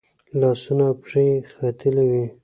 لاسونه او پښې یې ختلي وي.